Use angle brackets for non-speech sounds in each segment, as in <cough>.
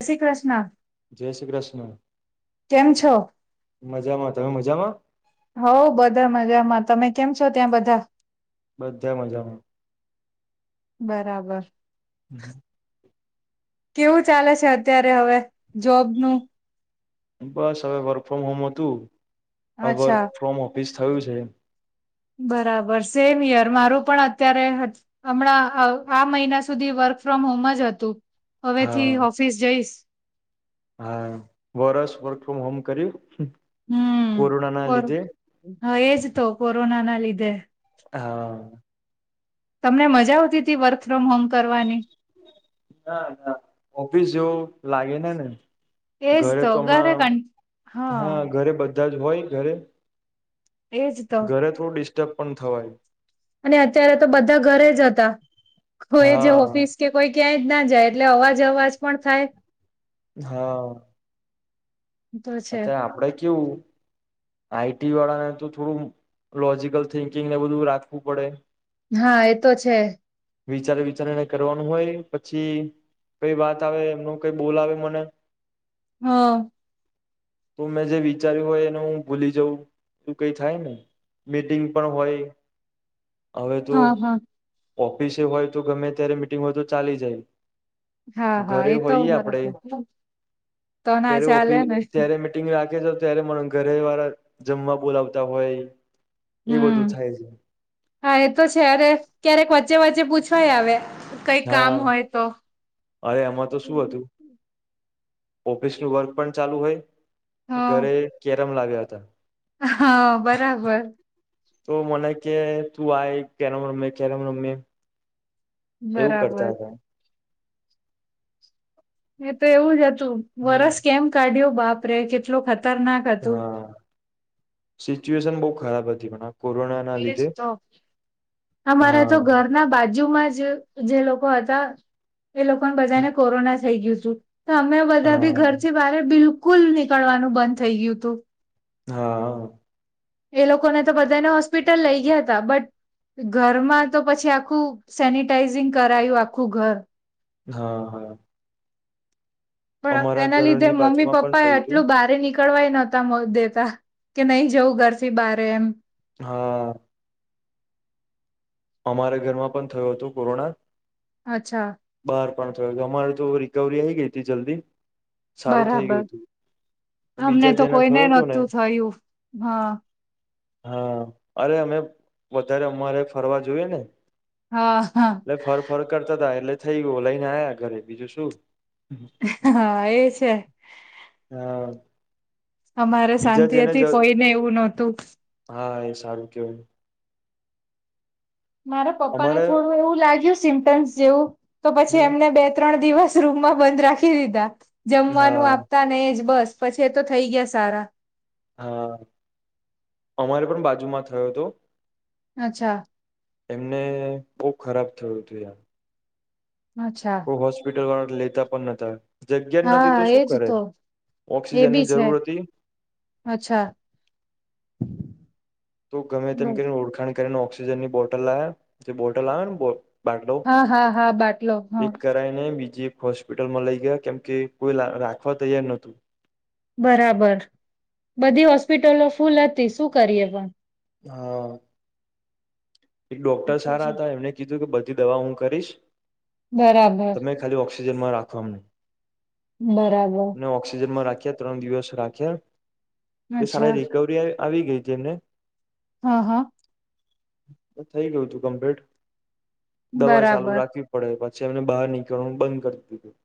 જય શ્રી કૃષ્ણ જય શ્રી કૃષ્ણ. કેમ છો મજામાં તમે મજામાં હવ બધા મજામાં તમે. કેમ છો ત્યાં બધા.? બધા મજામાં. બરાબર. હમ. કેવું ચાલે છે અત્યારે હવે જોબ નું. બસ હવે વર્ક ફ્રોમ હોમ હતું હવે વર્ક અચ્છા ફ્રોમ ઓફિસ થયું છે. બરાબર સેમ હિયર મારું પણ અત્યારે હમણાં આ મહિના સુધી વર વર્ક ફ્રોમ હોમ જ હતું હવેથી હા ઓફિસ જઈશ. હા વરષ વર્ક ફ્રોમ હોમ કર્યું. હમ કોરોના ના કો લીધે એજ તો કોરોના ના લીધે. હા. તમને મજા આવતી હતી વર્ક ફ્રોમ હોમ કરવાની. ના ના ઓફિસ જેવું લાગે ને. ઘરે તો હમણાં હા ઘરે બધા જ હોય ઘરે એજ તો ઘરે થોડું ડિસ્ટર્બ પણ થવાય. અને અત્યારે તો બધા ઘરે જ હતા કોઈ જે હા ઓફિસ કે કોઈ ક્યાંય જ ના જાય એટલે અવાજ અવાજ પણ થાય. હા. તો છે અત્યારે આપડે કેવું આઈટી વાળા ને તો થોડું લોજિકલ થિંકિંગને બધું રાખવું પડે હા એ તો છે. વિચારે વિચારીને કરવાનું હોય પછી કઈ વાત આવે એમનું કઈ બોલ આવે મને હમ. તો મેં જે વિચાર્યું હોય એનું હું ભૂલી જઉં તું કઈ થાયને. મીટિંગ પણ હોય. હવે તો હા ઓફિસે હોય તો ગમે ત્યારે મીટિંગ હોય તો ચાલી જાય. હા હા ઘરે એ તો હોઈએ આપડે બરાબર તો ના ત્યારે ચાલે ઓફિસ ને ત્યારે મીટિંગ રાખે જ ત્યારે મ ઘરે વાળા જમવા બોલાવતા હોય. એ બધું હમ થાય છે હા એ તો છે અરે ક્યારેક વચ્ચે વચ્ચે પૂછવાય આવે કઈ કામ હા હોય તો. અરે એમાં તો શું હતું ઓફિસ નું વર્ક પણ ચાલુ હોય હા ઘરે કેરમ લાવ્યા હતા. હા બરાબર. તો મને કે તું આય કેરમ રમીએ કેરમ રમીએ. બરાબર. મે તો એવું જ હતું હમ્મ. વરસ કેમ કાઢ્યો બાપરે કેટલો ખત હા સિચ્યુએશન બહુ ખરાબ હતી પણ હા. એજ તો અમારા હા. તો ઘરના બાજુમાં જ જે લોકો હતા એ લોકોને બધાને કોરોના થઈ ગયું તું. તો અમે બધા બી હા ઘરથી બારે બિલકુલ નીકળવાનું બંધ થઈ ગયું હતું. હા. એ લોકોને તો બધાને હોસ્પિટલ લઈ ગયા હતા બટ ઘરમાં તો પછી આખું સેનિટાઈઝિંગ કરાયું આખું ઘર. હા હા. પણ અમારા એના લીધે ઘરની મમ્મી બાજુમાં પણ પપ્પા એ થયું હતું આટલું બાર નીકળ નીકળવા નહતા મોવ દેતા કે નહી જવું ઘરથી બારે એમ. હા. અમારે ઘરમાં પણ થયો તો કોરોના. અચ્છા. બહાર પણ થયો તો અમારે તો રિકવરી આઈ ગઈ તી જલ્દી. સારું થઇ બરાબર ગયું તું. અમને તો કોઈને નહોતું થયું હા. હા અરે અમે વધારે અમારે ફરવા જોઈએ ને. હા હા એટલે ફર ફર કરતા તા એટલે થઈ ગયું લઈને આયા ઘરે બીજું શું. હા એ છે. હા અમારે બીજા શાંતિ જેને જ હતી કોઈને એવું નહોતું. હા એ સારું કેવાય. મારા પપ્પા ને અમારે થોડું એવું લાગ્યું સિમ્ટમ્સ જેવું તો પછી હમ એમને બે ત્રણ દિવસ રૂમમાં બંધ રાખી દીધા હા જમવાનું આપતા ને એ જ બસ. પછી એ તો થઈ ગયા સારા. હા અમારે પણ બાજુમાં થયો તો. અચ્છા. એમને બહુ ખરાબ થયું તુ યાર. અચ્છા. દવા લેતા પણ નતા. જગ્યા જ નથી હા તો શું એજ કરે તો એ ઓક્સિજન બી ની છે જરૂર હતી. અચ્છા. તો ગમે તેમ બસ કરીને ઓળખાણ કરીને ઓક્સિજન ની બોટલ લાવ્યા જે બોટલ આવે ને. બાટલો હા હા હા બાટલો હા એક કરાઈને બીજે હોસ્પિટલમાં લઈ ગયા કેમ કે કોઈ લા રાખવા તૈયાર નતું. બરાબર બધી હોસ્પિટલો ફૂલ હતી શું કરીએ પણ. હા. એક ડોક્ટર સારા હતા એમને કીધું કે બધી દવા હું કરીશ. બરાબર. ઓક્સજનમાં રાખવા બરાબર ને ઓક્સિજનમાં રાખ ત્રણ દિવસ રાખ્યા સારા અચ્છા રિકવરી આવી ગઈ છે તેને હા હા થઇ ગયું તું કમ્પ્લીટ દવા ચાલુ બરાબર રાખવી પડે પછી પછી એમને બહાર નીકળવાનું બંધ કરી દીધું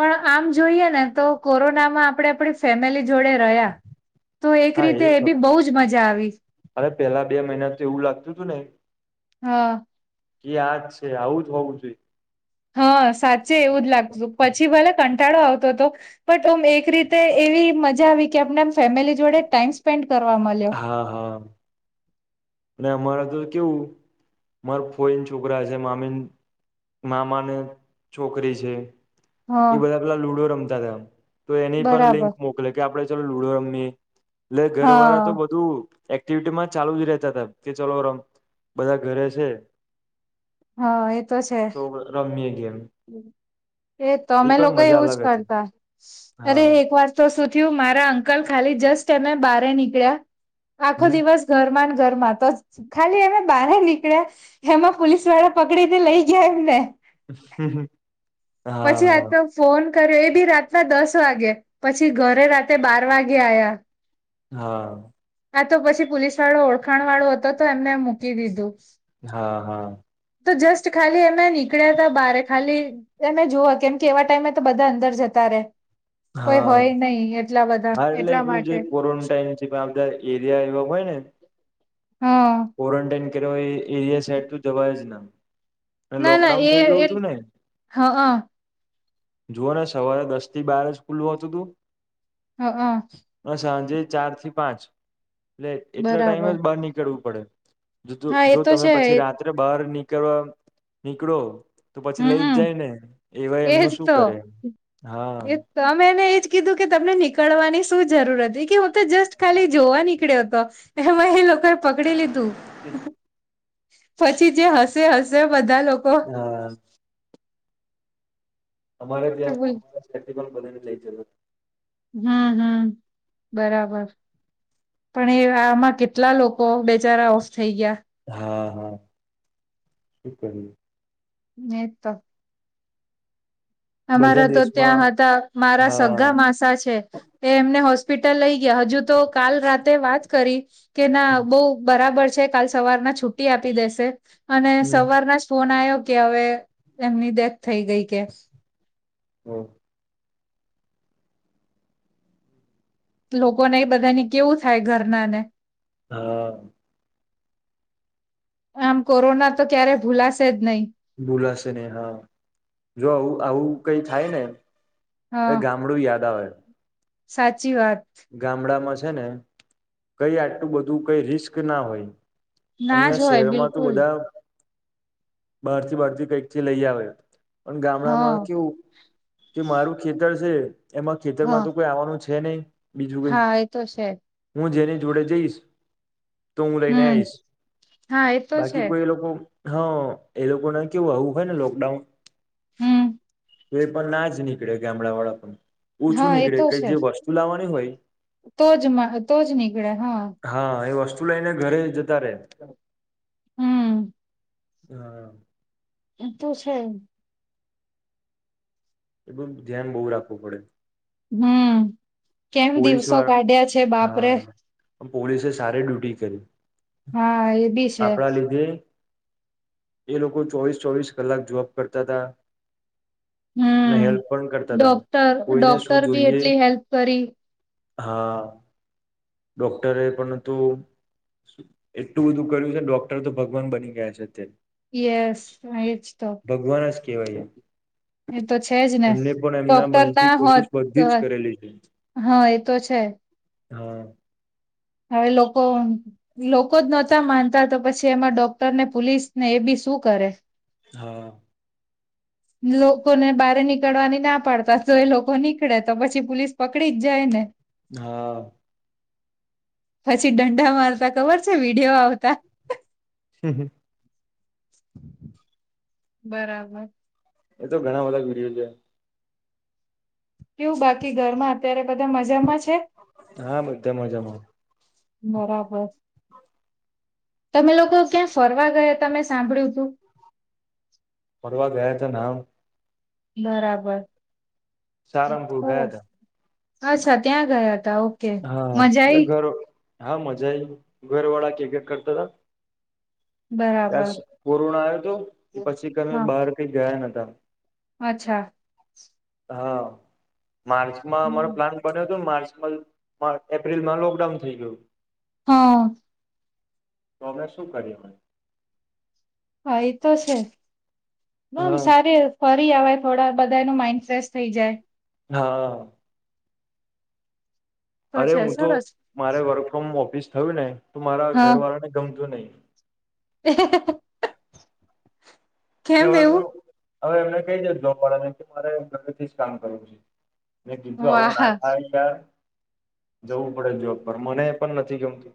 પણ આમ જોઈએ ને તો કોરોનામાં આપડે આપડી ફેમિલી જોડે રહ્યા તો એક હા રીતે એ ખરું બી બહુ જ મજા આવી અરે પેલા બે મહિના તો એવું લાગતું હતું ને હા કે આજ છે આવું જ હોવું જોઈએ હા સાચે એવું જ લાગતું પછી ભલે કંટાળો આવતો હતો પણટ ઓમ એક એક રીતે એવી મજા આવી કે આપણે આમ ફેમિલી જોડે ટાઈમ સ્પેન્ડ કરવા મળ્યો. હા હા અને અમારા કેવું માર ફોઈને છોકરા છે મામીની મામા ને છોકરી છે હા એ બધા પેલા લુડો રમતા તા તો એની પણ લિંક બરાબર. મોકલે કે આપડે ચલ લુડો રમી એટલે ઘરવાળા હા એક્ટિવિટીમાં ચાલુ જ રેતા તા કે ચલો રમ બધા ઘરે છે. હા એતો છે. તો રમીએ ગેમ હમ એ તો અમે પણ લોકો મજા એવું જ અલગ હતી કરતા હા અરે એક વાત તો સુું થયું મારા અંકલ ખાલી જસ્ટ <unintelligible> બાર નીકળ્યા આખો હમ દિવસ ઘર ઘરમાં તો ખાલી એમે બહાર નીકળ્યા એમાં પોલીસ વાળા પકડીને લઈ ગયા એમ ને હમ હ પછી આ તો ફોન કર્યો એ બી રાતના દસ વાગે પછી ઘરે રાતે બાર વાગે આ્યા હા હા તો પછી પોલીસ વાળો ઓળખાણ વાળો હતો તો એમને મૂકી દીધું હા હા તો જસ્ટ ખાલી એમે નીકળ્યા હતા બારે ખાલી એને જોવા કેમ કે એવા ટાઈમે તો બધા અંદર જતા રે કોઈ હા હોય નહી એટલા બધા હા એટલે એટલા એલું માટે ક્વરન્ટાઈનધા એરિયા એ હોય <inaudible> હા ક્વોરન્ટાઈન કર એ એરિયા સાઈડ તો જવાય જ ના. અને ના ના લોકડાઉન એ થઈ ગયું એ હતું ને હ હ જુઓ ને સવારે દસ થી બાર જ ખુલ્લું હોતું તું હ અહ. ચાર થી પાંચ એટલે એટલા ટાઈમ બરાબર જ બાર નીકળવું પડે. જો હા એ જો તો તમે છે પછી રાત્રે બહાર નીકળવા નીકળો તો પછી લઈ જ હમમ જાય ને એવાય એજ એમનું શું તો કરે હા. એ તમે એને એજ કીધું કે તમને નીકળવાની શું જરૂર હતી કે હું તો જસ્ટ ખાલી જોવા નીકળ્યો હતો એમાં એ લો કો એ પકડી લીધું પછી જે હસે હસે બધા લોકો. હા અમારે ત્યાં હમ <unintelligible> બધાને <unintelligible> હમ્મ હમ્મ બરાબર. પણ એ આમાં કેટલા લોકો બેચારા ઓફ થઈ ગયા. હા હા. શું કરીએ. ને તો બધા અમારા તો ત્યાં દેશમાં હતા મારા સગ્ગા હા માસા છે એ એમને હોસ પીટલ લઈ ગયા હજુ તો કાલ રાતે વાત કરી કે ના બહુ બરાબર છે કાલ સવારના છુટી આપી દેશે અને સવારના જ ફોન આયો કે હવે એમની ડેથ થઈ ગઈ કે. ઓહ. લોકોને એ બધાની કેવું થાય ઘરના ને. હા. આમ કોરોના તો ક્યારે ભૂલાશે જ નહી. ભૂલાશે નહીં હા જો આવું આવું કઈ થાય ને એ હા ગામડું યાદ આવે. સાચી વાત. ગામડામાં છે ને કઈ આટલું બધું કઈ રિસ્ક ના હોય. ના અહિયાં જ હોય શહેરમાં તું બિલકુલ બધા બહારથી બહારથી કંઈક થી લઈ આવે પણ હા ગામડામાં કેવું કે મારું ખેતર છે એમાં ખેતરમાં હા તો કોઈ આવવાનું છે નહી. બીજું હા એ તો છે હું જેની જોડે જઈશ તો હું લઈને હમ આઈશ હા એ તો છે બાકી કોઈ એ લોકો હા એ લોકોને કેવું આવવું હોય ને લોકડાઉન હમ તો એ પણ ના જ નીકળે ગામડા વાળા પણ હા ઓછું એ નીકળે તો કઈ છે જે વસ્તુ લાવવાની હોય તો જ તો જ નીકળે હા. છું લઈને ઘરે જતા રે હ હમ ઈતો છે. એ બધું ધ્યાન બહુ રાખવું પડે. હમ કેમ પોલીસ દિવસો વાળા કાઢ્યા છે બાપરે હા પોલીસે સારી ડ્યુટી કરી. હા એ બી છે. આપણા લીધે એ લોકો ચોવીસ ચોવીસ કલાક જોબ કરતા હતા. ને હમ હેલ્પ પણ કરતા હતા ડોક્ટર કોઈને શું ડોક્ટર બી જોઈએ એટલી હેલ્પ કરી હા ડોક્ટરે પણંતુ એટલું બધું કર્યું છે ડોક્ટર તો ભગવાન બની ગયા છે. યસ એજ તો. કેવાય એ તો છે જ ને ડોક્ટર મનથી ના હોત કોશિશ બધી તો જ કરેલી છે. હા તો છે હા. હવે લોકો લોકો જ નહોતા માનતા તો પછી એમાં ડોક્ટર ને પોલીસને એ બી શું કરે. હા. લોકોને બારે નીકળવાની ના પાડતા તો એ લોકો નીકળે તો પછી પોલીસ પકડી જ જાય ને. હા. પછી દંડા માર તા ખબર છે વિડીયો આવતા. એ બરાબર. એ તો ઘણા બધા વિડીયો જોયા. કેવુ બાકી ઘરમા અત્યારે બધા મજામા જ છે? હા બધા મજામાં બરાબર. તમે લોકો ક્યાં ફરવા ગયા થા મેં સાંભળ્યું તું. ફરવા ગયા તા નામ બરાબર. સારંગપુર ગયા સરસ. તા. અચ્છા ત્યાં ગયા તા ઓકે હા મજા એટલે આઈ? ઘર હા, મજા આઈ ઘરવાળા કે કે કરતા તા બરાબર. ત્યા કોરોના આયો તો એ પછી કસે હા બહાર કઈ ગયા નતા. અચ્છા. હા માર્ચમાં અમારો હમ. પ્લાન બન્યો હતો માર્ચ એપ્રિલમાં લોકડાઉન થઈ ગયું હા તો અમે શું કર્યું હોય હા એ તો છે બમ હા સારી ફ અવે થોડા બધાનું માઈન્ડ ફ્રેશ થઈ જાય હા તો અરે છે હું તો સરસ. મારે વર્ક ફ્રોમ ઓફિસ થયું ને તો મારા હા ઘર વાળા ને ગમતું નહી <inaudible> કેવાતું એવું. હવે એમને કઈ દે જોબ વાળા ને કે મારે ઘરેથી જ કામ કરવુ છે મે કીધું આવુ વાહ ના થાય યાર જવું પડે જોબ પર મને પણ નથી ગમતુ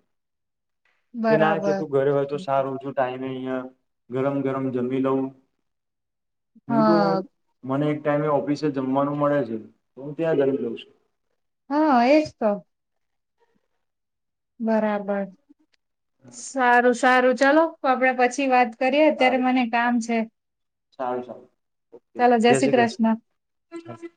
કે ના કે બરાબર. તું ઘરે હોય તો સારું છું ટાઈમે અહિયાં ગરમ ગરમ જમી લઉં કીધું હા હું મને ટાઈમે ઓફિસે જમવાનું મળે છે તો હું ત્યાં જમી લઉં છું. હા, એજ તો. બરાબર સારું સારું ચાલો આપડે પછી વાત કરીએ અત્યારે સારું સારું મને કામ છે સારું સારું ઓકે જય શ્રી કૃષ્ણ